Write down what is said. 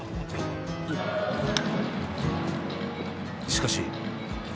しかし。